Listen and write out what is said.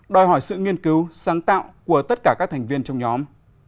đòi hỏi sự nghiên cứu sáng tạo của tất cả các thành viên trong nhóm